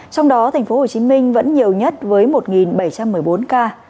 trong đó tp hcm vẫn nhiều nhất với một bảy trăm một mươi bốn ca